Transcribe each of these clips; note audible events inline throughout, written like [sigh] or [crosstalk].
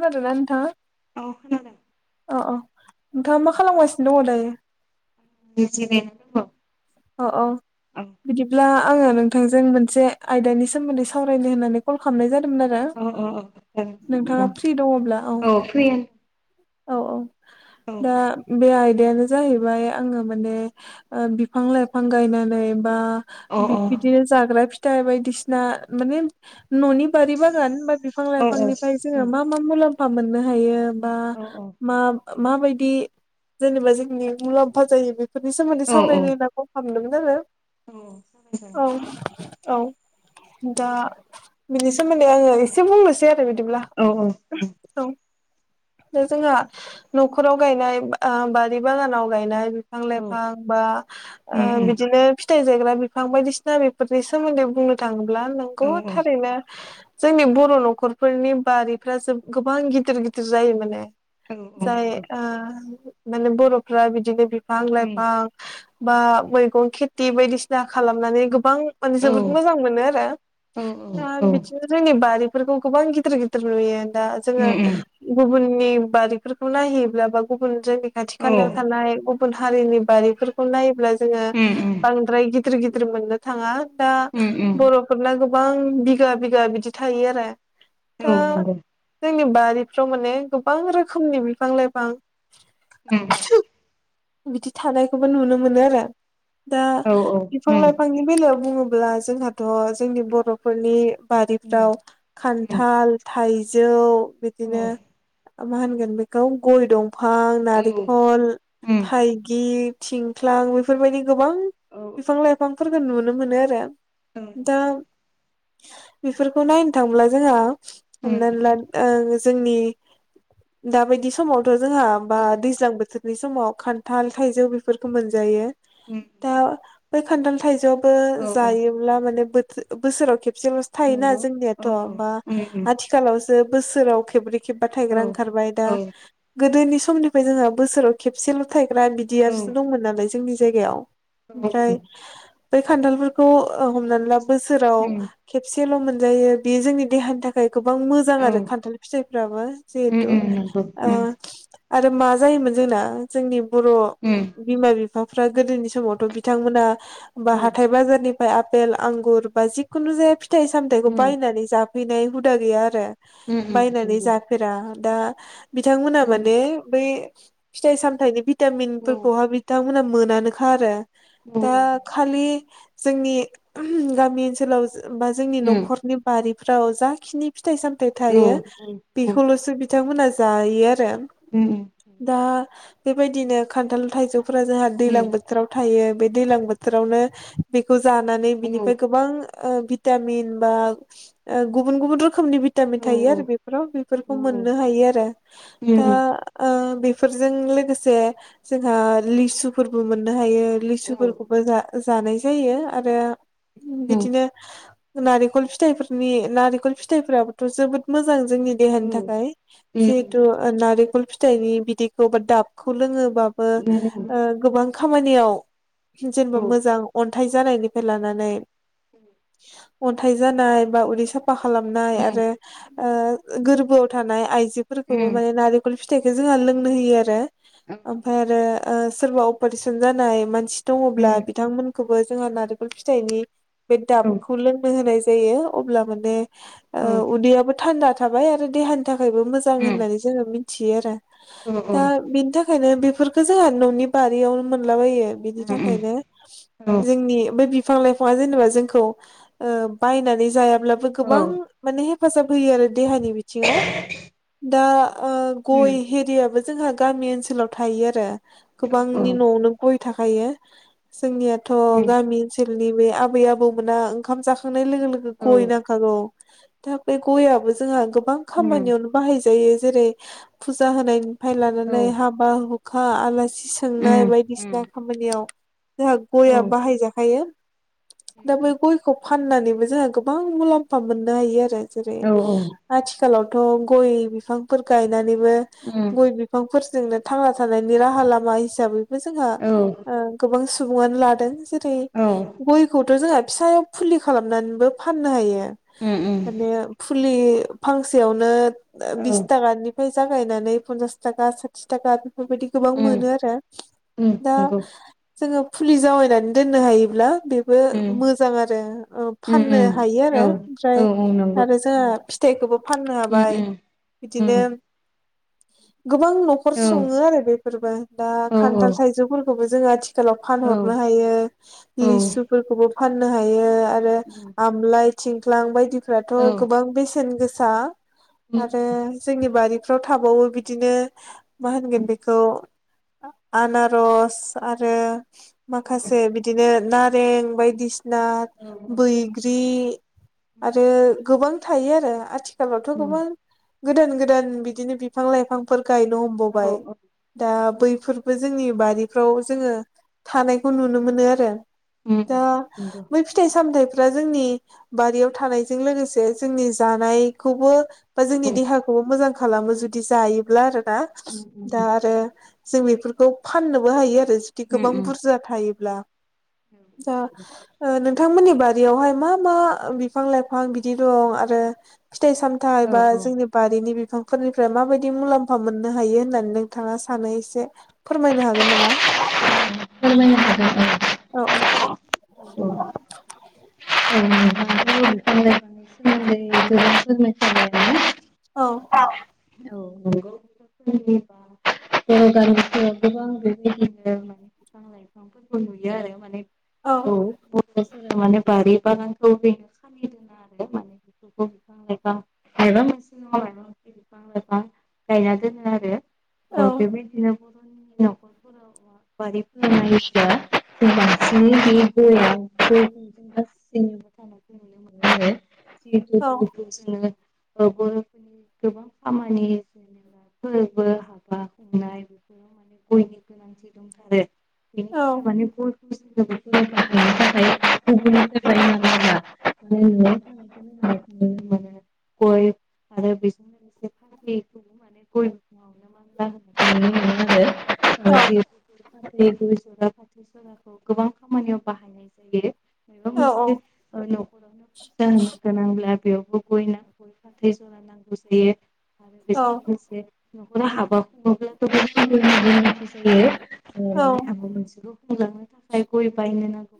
खोनादों ना नोंथाङा? औ खोनादों औ औ नोंथाङा मा खालामगासिनो दङ दायो? [unintelligible] अ औ औ बिदिब्ला आङो नोंथांजों मोनसे आयदानि सोमोन्दै सावरायनो होननानै कल खालामनाय जादोंमोन आरो औ औ जागोन नोंथाङा सावरायजागोन फ्रि दङब्ला औ औ औ औ दा बे आयदायानो जाहैबाय आङो माने ओ बि फां लाइफां गायनानै बा अ औ बिदिनो जाग्रा फिथाइ बायदिसिना माने न'नि बारि बागान बा बिफां औ उम लाइफांनिफ्राय जोङो मा मा मुलाम्फा मोननो हायो बा औ औ मा माबायदि जेनेबा जोंनि मुलाम्फा जायो बे फोरनि सोमोन्दै सावरायजागोन सावरायनो होनना कल खालामदोंमोन दे आरो औ। औ दा बिनि सोमोन्दै आङो एसे बुंनोसै आरो बिदिब्ला। औ औ औ दा जोंहा न'खराव गायनाय ओ बारि बागानाव गायनाय बिफां लाइफां बा उम औ उम ओ उम बिदिनो फिथाइ जायग्रा बिफां बायदिसिना बेफोरनि सोमोन्दै बुंनो। थांब्ला नंगौ औ औ थारैनो जोंनि बर' न'खरफोरनि बारिफ्रा जोब गोबां गिदिर गिदिर जायो माने औ औ जाय नंगौ ओ माने बर'फ्रा बिदिनो बिफां उम लाइफां बा मैगं खेथि बायदिसिना खालामनानै गोबां माने औ जोबोद मोजां मोनो आरो दा औ बिदिनो जोंनि बारि फोरखौ गोबां गिदिर गिदिर नुयो दा उम जोङो। उम गुबुननि बारिफोरखौ नायहैयोब्ला बा गुबुन जोंनि खाथि औ खालायाव थानाय गुबुन हारिनि बारिफोरखौ नायोब्ला जोङो उम उम बांद्राय गिदिर गिदिर मोननो थाङा दा उम उम बर'फोरना गोबां बिगा बिगा बिदि थायो आरो। औ दा नंगौ। जोंनि बारिफ्राव माने गोबां रोखोमनि बिफां-लाइफां उम बिदि थानायखौबो नुनो मोनो आरो दा औ औ बिफां उम लाइफांनि बेलायाव बुङोब्ला। जोंहाथ' जोंनि बर'फोरनि उम बारिफ्राव उम खान्थाल थाइजौ औ बिदिनो मा होनगोन बेखौ गय दं फां नारेंखल, उम थाइगिर, थिंख्लां, बेफोरबायदि गोबां औ औ बिफां लाइफांफोरखौ नुनो मोनो आरो। दा [unintelligible] बेफोरखौ नायनो थांब्ला जोंहा नंगौ हमनानै ला ओं जोंनि दाबायदि समावथ' जोंहा बा उम औ दैज्लां बोथोरनि समाव खान्थाल थाइजौ बेफोरखौ मोनजायो उम दा बै खान्थाल थाइजौआ बो औ जायोब्ला माने बोथोर बोसोराव खेबसेल' थायोना नंगौ औ जोंनियाथ' औ बा उम उम आथि खालावसो बोसोराव खेब्रै खेबबा औ थायग्रा ओंखारबाय दा औ गोदोनि समनिफ्राय जोङो बोसोराव खेबसेल' थायग्रा औ बिदिआसो दंमोन नालाय जोंनि जायगायाव ओमफ्राय बेै खान्थालफोरखौ हमनानै ला बोसोराव उम खेबसेल' मोनजायो बे जोंनि देहानि थाखाय गोबां मोजां औ आरो उम खान्थाल फिथाइफ्राबो उम नंगौ उम जिहेथु' उम ओ आरो मा जायोमोन जोंना जोंनि बर' बिमा बिफा बिफाफ्रा गोदोनि समावथ' बिथांमोना बा हाथाय बाजारनि ओमफ्राय आफपेल आंगुर बा जिखुनु जाया फिथाइ सामथायाइखौ उम बायनानै जाफैनाय हुदा गैया आरो उम बायनानै नंगौ जाफेरा दा बिथांमोना उम माने बै फिथाइ साम थायनि औ भिटामिनफोरखौहाय बिथांमोनहा मोनानोखा आरो औ दा खालि जोंनि गामि ओनसोलाव बा जोंनि उम न'खरनि बारिफ्राव जाखिनि फिथाइ सामथायाइ औ थायो। औ बेखौल'सो बिथांमोना जायो आरो उम दा बेबायदिनो खान्थाल थाइजौफोरा जोंहा दैज्लां बो बोथोराव थायो बे दैलां बोथोरावनो बेखौ जानानै बिनिफ्राय गोबां मिन बि गुबुन गुबुन रोखोमनि बि भिटामिन थायो आरो बेफोराव बेफोरखौ मोननो हायो आरो दा ओ बेफोरजों लोगोसे जोंहा लिसुफोरबो मोननो हायो लिसुफोरखौ बो जा-जानाय जायो आरो बिदिनो नारेंखल फिथाइफोरनि नारेंखल फिथाइफोराबोथ' जोबोद मोजां जोंनि देहानि थाखाय जिहेथु नारेंखल फिथाइनि बिदैखौ बा दाबखौ लोङोबा ए गोबां खामानियाव जेनेबा मोजां अन्थाइ जानायनिफ्राय लानानै [inaudible] अन्थाइ जानाय बा उदै साफा खालामनाय आरो गोरबोआव थानाय आइजोफोरखौबो माने नारेंखल फिथाइखौ जोंहा लोंनो होयो आरो। ओमफ्राय आरो सोरबा अपारेशन जानाय मानसि दङब्ला बिथांमोन खौबो जोंहा नारेंखल फिथाइनि बे दाबखौ लोंनो होनाय जायो अब्ला माने उदैयाबो थान्दा थाबाय आरो देहानि थाखायबो मोजां होननानै जोङो मिथियो आरो दा बिनि थाखायनो बेफोरखौ जोंहा न'नि बारियावनो मोनलाबायो बिनि उम थाखायनो उम औ जोंनि बे बिफां लाइफाङा जेनेबा जोंखौ बायनानै जायाब्लाबो औ गोबां उम माने हेफाजाब होयो आरो देहानि बिथिङाव दा गय हेरियाबो जोंहा गामि ओनसोलाव थायो आरो औ गोबांनि न'आवनो गय थाखायो जोंनिया थ' उम गामि ओनसोलनि बे आबै आबौमोना ओंखाम जाखांनाय लोगो लोगो औ गय नांखागौ। दा बे गयाबबो जोंहा गोबां उम खामानियावनो बायो जेरै फुजा होनायनिफ्राय औ लानानै हाबा हुखा आलासि सोंनाय उम उम बायदिसिना खामानियाव जोंहा औ गया बाहायजाखायो। दा बे गयखौ फाननानैबो जोंहा गोबां मुलाम्फा मोननो हायो आरो जेरै औ औ आथिखालावथ' गय बिफांफोर गायनानैबो उम गय बिफां फोरजोंनो थांना थानायनि राहा लामा हिसाबैबो जोंहा औ गोबां सुबुङानो लादों जेरै औ गयखौथ' जोंहा फिसायाव फुलि खालामनानैबो फाननो हायो उम माने फुलि फांसेयावनो औ बिस थाखानिफ्राय जागायनानै पन्सास थाखा साथि थाखा बेफोरबायदि गोबां उम मोनो आरो उम दा नंगौ जोङो फुलि जावायनानै दोननो हायोब्ला बे बेबो उम मोजां आरो उम फाननो उम हायो आरो औ ओमफ्राय औ औ नंगौ आरो जोंहा उम फिथाइखौबो फाननो उम हाबाय उम उम बिदिनो गोबां न'खर औ सङो आरो बेफोरबो दा औ औ खान्थाल थाइजौफोरखौबो जों आथि खालाव औ फानहरनो उम हायो औ उम लिसुफोरखौबो फाननो हायो आरो उम आमलाय थिंख्लां बायदिफ्राथ' औ औ गोबां बेसेन गोसा। आरो जोंनि बारिफ्राव थाबावो बिदिनो मा होनगोन बेखौ आनारस आरो माखासे बि दिनो नारें बायदिसिना बैग्रि आरो गोबां थायो आरो आथिखालावथ' उम गोबां गोदान गोदान बिदिनो बिफां लाइफांफोर गायनो औ हमबावबाय। औ दा बैफोरबो जोंनि बारिफ्राव जोंङो थानायखौ नुनो मोनो आरो। दा उम नंगौ बै फिथाइ सामथायाइफ्रा जोंनि बारियाव थानायजों लोगोसे जोंनि जानायखौबो बा औ जोंनि देहाखौबो मोजां खालामो जुदि जायोब्ला आरो ना। उम उम दा आरो जों बेफोरखौ फाननोबो हायो आरो जुदि उम गोबां उम बुरजा थायोब्ला [inaudible] दा नोंथांमोननि बारियावहाय मा मा बिफां लाइफां बिदि दं आरो फिथाइ सामथायाइ बा औ औ जोंनि बारिनि बिफांफोरनिफ्राय माबायदि बिदि मुलाम्फा मोननो हायो होननानै नोंथांङा सानो एसे फोरमायनो हागोन नामा? फोरमायनो हागोन। औ औ औ [unintelligible] औ औ नंगौ बर' गामिफोराव गोबां बिदिनो [inaudible] नुयो आरो माने। औ औ जों माने बारि बागानखौ [unintelligible] फां गायना दोनो आरो। ओ बेबायदिनो बर'नि न'खरफोराव बारिफोरना [unintelligible] बांसिन बे गय थानायखौ नुनो मोनो औ आरो। [unintelligible] गोबां खामानि जेनेबा फोरबो [unintelligible] गयनि [unintelligible] औ [unintelligible] [unintelligible] नुनो मोनो गय आरो बेजों लोगोसे फुलि [unintelligible] गय बिफांङावनो मानला होननायखौ नुनो मोनो आरो। औ फाथै गय जला फाथैखौ गोबां खामानियाव बाहायनाय जायो। माबा मोनसे ओ न'खरावनो फुजा होनो गोनांब्ला बेयावबो गय फाथै जरा नांगौ जायो आरो औ बेजों लोगोसे न'खरा हाबा खुंङोब्लाथ' होयो औ [unintelligible] थाखाय गय बायनो नांगौ।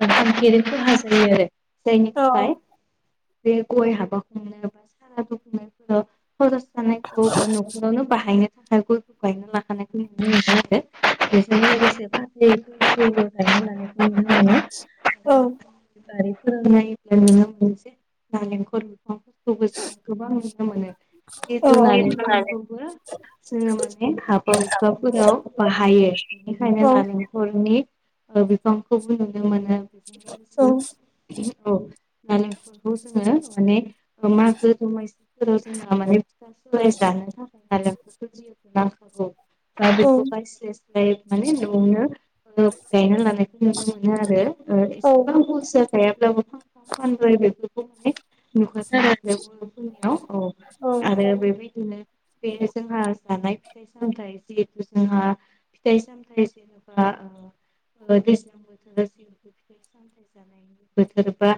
[unintelligible] जायनि औ थाखाय बे गय हाबाखौनो बा सारादुखुमनायफोराव खरस सानायखौ बा न'खरावनो बाहायनो थाखाय गय गायना लाखानायखौ नुनो मोनदों आरो बेजों लोगोसे फाथै फोरबो गायना लानायखौ औ नुनो मोनो। [unintelligible] बो जों गोबां नुनो मोनो जिहेथुु औ औ नालेंखरखौबो जोङो माने हाबा हुखाखाफोराव बाहायो बेनिखायनो नालेंखरनि बिफांखौबो नुनो मोनो बेजों लोगोसे औ। नालेंखलखौ जोङो माने मागो दमासिफोराव जोंहा माने ओमफाय जानो थाखाय नालेंखरफोरखौ जोंनो नांखागौ। दा बेखौ बायस्लाय स्लाय माने न'आवनो गायना लानायखौ नुनो मोनो आरो एसेबां बुरजा गायाब्लाबो फांफा फांनै बेफोरखौ माने नुखाथारो आरो बर'फोरनियाव औ आरो बेबायदिनो बे जोंहा जानाय फिथाइ सामथाय जिहेथु जोंहा फिथाइ सामथाय जेन'बा दैज्लां बोथोर बोथोर बा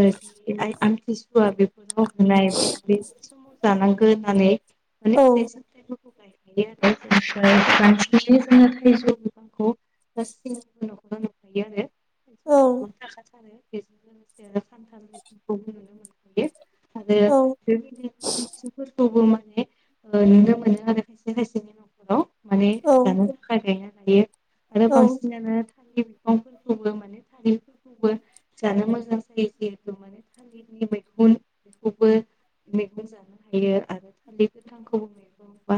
जि आमथिसुवा बेफोराव मोननाय बे समाव जानांगोन होननानै माने फिथाइ सामथाइफोरखौ गायखायो आरो ओमफ्राय बांसिनानो जोङो थाइजौ बिफांखौ [unintelligible] [inaudible] [inaudible] आरो बेबायदिनो [unintelligible] माने नुनो मोनो आरो खायसे खायसेनि न'खराव माने जानो थाखाय गायना लायो। आरो बांसिनानो थालिर बिफांफोरखौबो माने थालिरफोरखौबो। जानो मोजां जायो जिहेथु माने थालिरनि मैगुन बेखौबो। मैगं जानो हायो आरो [inaudible] बा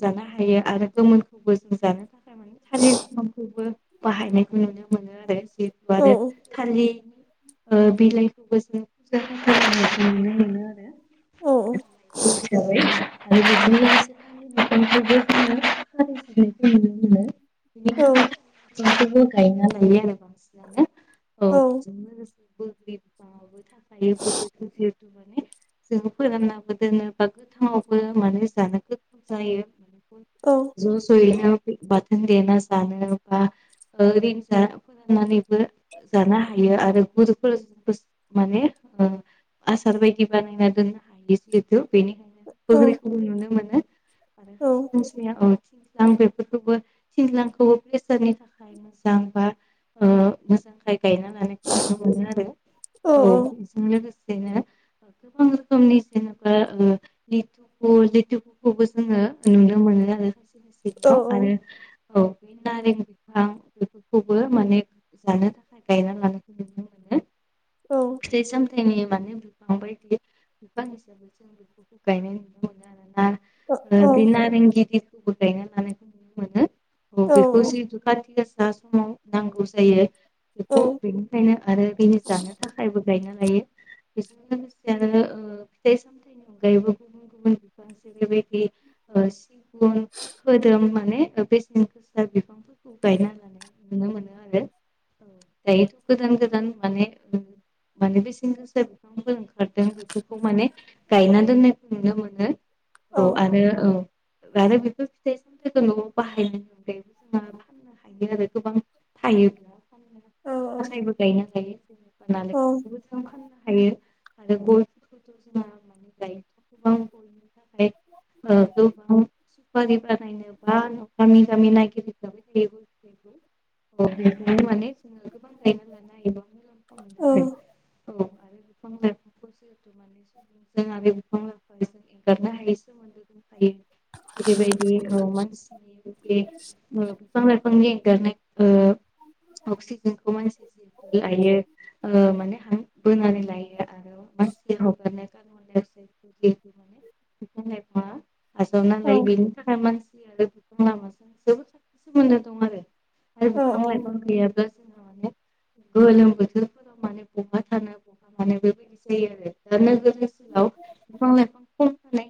जानो हायो आरो गोमोनखौबो जों जानो थाखाय माने थालिर बिफांखौबो बाहायनायखौ नुनो मोनो आरो जि आरो थालिरनि बिलाइखौबो जों फुजा फानाय नुनो मोनो आरो हिसाबै आरो बिदिनो [unintelligible] जोङो [unintelligible] नुनो मोनो। बेनि थाखाय [inaudible] [inaudible] जोङो फोराननाबो दोनो बा गोथाङावबो माने जानो गोथाव जायो औ। जसयनो बाथोन देना जानो बा रिन्ज फोराननानैबो जानो हायो आरो गुरुफोर माने आसार बायदि बानायना दोननो हायो। बेनिखायनो [unintelligible] नुनो मोनो आरो औ औ खायसे [unintelligible] थिन्लां बेफोरखौबो थिन्लांखौबो प्रेसारनि थाखाय मोजां बा मोजांखाय गायना लानायखौ नुनो मोनो आरो औ बेजों लोगोसेनो गोबां रोखोमनि जेनेबा ओ लेतुखुखौबो जोङो नुनो मोनो आरो हसे औ खायसेनियाव आरो औ। बे नारें बिफां बेफोरखौबो माने जानो थाखाय गायना लानायखौ नुनो मोनो औ। फिथाइ सामथाइनि माने बिफां बायदि बिफां हिसाबै जों बेफोरखौ गायनाय नुनो मोनो औ आरोना। बे नारेंगिरिखौबो गायना लानायखौ नुनो मोनो। औ बेखौ जिहेथु खाथि गसा समाव नांगौ जायो औ बेखौ बेनिखायनो आरो बिनि जानो थाखायबो गायना लायो। बेजों लोगोसेनो ओ फिथाइ सामथाइनि अनगायैबो गुबुन गुबुन बिफां जेरैबायदि सिगुन खोदोम माने बेसेन गोसा बिफांफोरखौ गायना होनानाय नुनो मोनो आरो। दायोथ गोदान गोदान माने माने बेसेन गोसा बिफांफोर ओंखारदों बेफोरखौ माने गायना दोननायखौ नुनो मोनो औ आरो औ। आरो बेफोर फिथाइ सामथायाइखौ न'आव बाहायनो बो जोंहा फाननो हायो आरो गोबां थायोब्ला गासैबो गायनालायो औ। थां फाननो हायो आरो गयफोरखौथ' जों [unintelligible] [inaudible] बा नाम जमिन हख मान जोङो गोबां लायनानै लानायबां मुलाम्फा मोनो आरो औ आरो बिफां लाइफां आरो बे बिफां लाइफां एंगारनो हायैसोमोन् जेरैबायदि औ मानसि बे बिफां लाइफांनि एंगारनाय ओ अक्सिजेनखौ मानसि जिहेथु लायो माने हां बोनानै लायो आरो मानसि हगारनाय कार्बन डाइ अक्साइडखौ आसामाव नालाय औ बेनि थाखाय मानसि आरो बिफां लामाजों जोबोोर स सोमोन्दो दं आरो औ औ आरोाय बांस गोलोम बोथोरफोराव माने बहा थानो बहा हानो बेबायदि जायो आरो दा नोगोर ओनसोलाव म बिफां - लाइफां खम थानाय